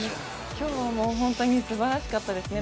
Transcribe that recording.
今日は本当にすばらしかったですね。